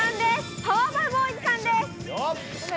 パワーパフボーイズさんです。